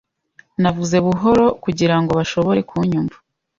Navuze buhoro kugirango bashobore kunyumva.